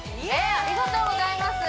ありがとうございます！